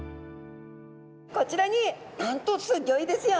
こちらになんとすギョいですよ。